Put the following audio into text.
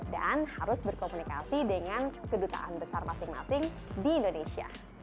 harus berkomunikasi dengan kedutaan besar masing masing di indonesia